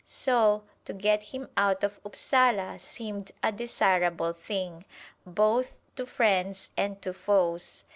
So, to get him out of Upsala seemed a desirable thing, both to friends and to foes.